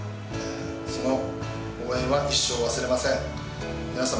その応援は一生忘れません。